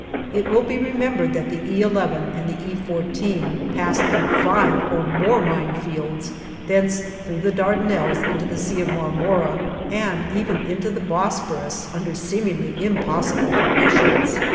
It will be remembered that the E 11 and the E 14 passed through five or more mine fields, thence through the Dardanelles into the Sea of Marmora, and even into the Bosphorus under seemingly impossible conditions.